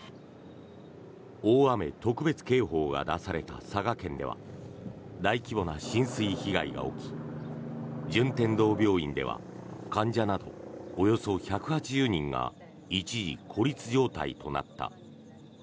大雨特別警報が出された佐賀県では大規模な浸水被害が起き順天堂病院では患者などおよそ１８０人が一時、孤立状態となった。